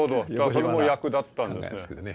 それも役立ったんですね。